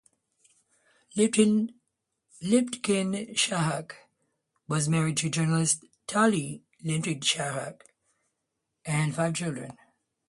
Lipkin-Shahak was married to journalist Tali Lipkin-Shahak and had five children.